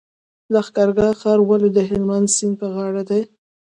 لښکرګاه ښار ولې د هلمند سیند په غاړه دی؟